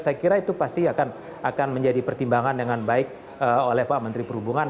saya kira itu pasti akan menjadi pertimbangan dengan baik oleh pak menteri perhubungan